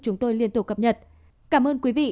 chúng tôi liên tục cập nhật cảm ơn quý vị